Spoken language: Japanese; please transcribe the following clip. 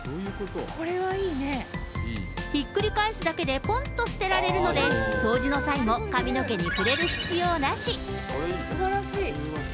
ひっくり返すだけでぽんっと捨てられるので、掃除の際も髪の毛に触れる必要なし。